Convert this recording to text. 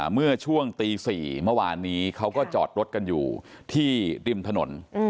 เมื่อช่วงตี๔เมื่อวานนี้เขาก็จอดรถกันอยู่ที่ริมถนน